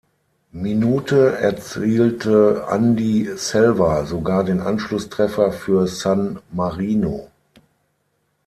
Minute erzielte Andy Selva sogar den Anschlusstreffer für San Marino.